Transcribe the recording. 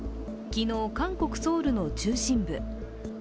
昨日、韓国・ソウルの中心部。